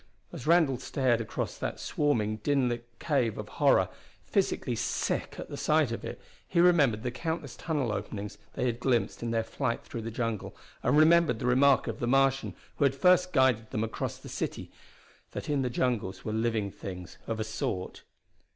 As Randall stared across that swarming, dim lit cave of horror, physically sick at sight of it, he remembered the countless tunnel openings they had glimpsed in their flight through the jungle, and remembered the remark of the Martian who had first guided them across the city, that in the jungles were living things, of a sort.